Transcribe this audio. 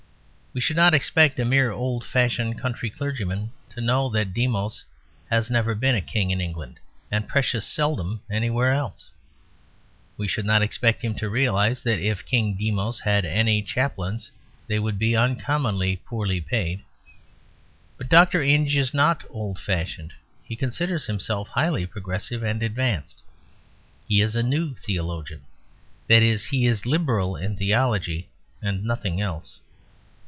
We should not expect a mere old fashioned country clergyman to know that Demos has never been king in England and precious seldom anywhere else; we should not expect him to realise that if King Demos had any chaplains they would be uncommonly poorly paid. But Dr. Inge is not old fashioned; he considers himself highly progressive and advanced. He is a New Theologian; that is, he is liberal in theology and nothing else.